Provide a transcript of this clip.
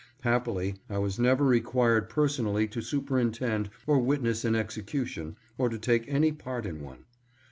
Happily, I was never required personally to superintend or witness an execution or to take any part in one.